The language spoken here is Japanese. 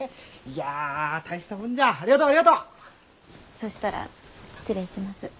そしたら失礼します。